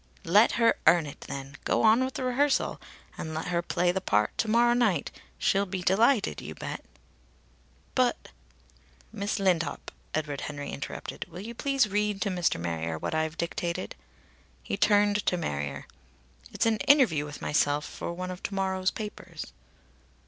"Let her earn it, then. Go on with the rehearsal. And let her play the part to morrow night. She'll be delighted, you bet." "But " "Miss Lindop," Edward Henry interrupted, "will you please read to Mr. Marrier what I've dictated?" He turned to Marrier. "It's an interview with myself for one of to morrow's papers."